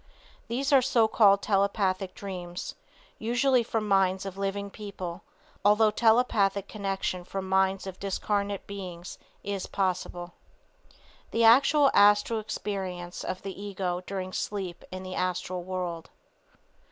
These are so called telepathic dreams, usually from minds of living people, although telepathic connection from minds of disincarnate beings is possible. THE ACTUAL ASTRAL EXPERIENCE OF THE EGO DURING SLEEP IN THE ASTRAL WORLD.